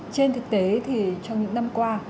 trên thực tế thì trong những năm qua